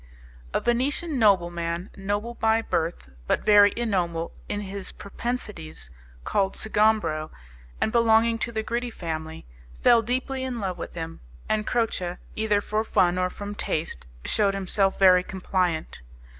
A Venetian nobleman, noble by birth, but very ignoble in his propensities, called Sgombro, and belonging to the Gritti family, fell deeply in love with him, and Croce, either for fun or from taste, shewed himself very compliant.